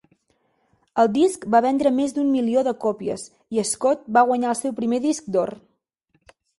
El disc va vendre més d"un milió de còpies i Scott va guanyar el seu primer disc d"or.